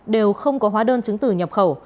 đều không có hóa đơn chứng từ nhập khẩu